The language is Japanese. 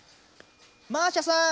マーシャさん。